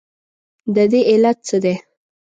ددې علت څه دی؟